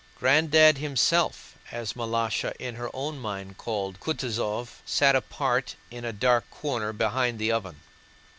"Granddad" himself, as Malásha in her own mind called Kutúzov, sat apart in a dark corner behind the oven.